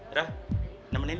udah nemenin ya